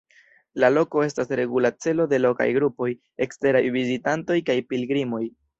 La loko estas regula celo de lokaj grupoj, eksteraj vizitantoj kaj pilgrimoj.